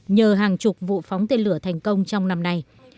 nhờ hàng chục vụ phóng tên lửa thành công trong năm nay